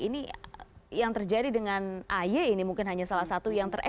ini yang terjadi dengan ay ini mungkin hanya salah satu yang terekam